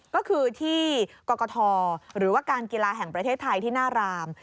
ก็คือที่กรกฐหรือว่าการกีฬาแห่งประเทศไทยที่หน้าราม